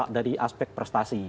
dari aspek prestasi